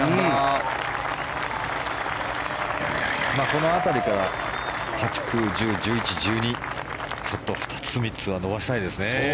この辺りから８、９、１０、１１、１２ちょっと２つ、３つは伸ばしたいですね。